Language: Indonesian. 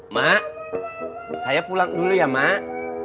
mak saya pulang dulu ya mak